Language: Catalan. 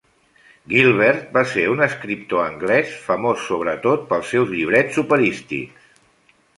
Gilbert, va ser un escriptor anglès famós sobretot pels seus llibrets operístics.